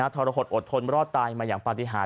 ทรหดอดทนรอดตายมาอย่างปฏิหาร